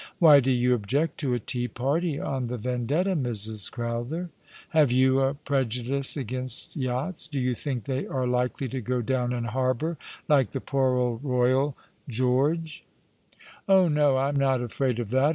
" Why do you object to a tea party on the Vendetta, Mrs. Crowther? Have you a prejudice against yachts ? Do you think they are likely to go down in harbour, like the poor old Boyal George f "" Oh no, I am not afraid of that.